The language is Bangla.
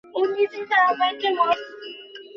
আমি তাঁর মত অকপট ও মহানুভব লোক আর দেখিনি।